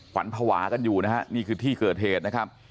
ขวัญภาวะกันอยู่นะฮะนี่คือที่เกิดเหตุนะครับ